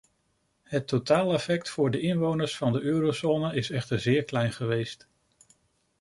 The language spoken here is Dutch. Het totaaleffect voor de inwoners van de eurozone is echter zeer klein geweest.